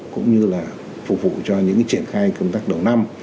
cũng như là phục vụ cho những triển khai công tác đầu năm